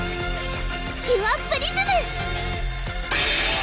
キュアプリズム！